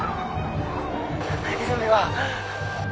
泉は。